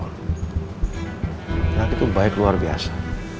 nanti itu baik luar biasa